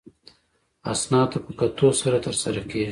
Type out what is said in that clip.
اسنادو ته په کتو سره ترسره کیږي.